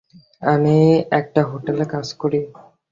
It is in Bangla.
আমি একটা হোটেলে কাজ করি।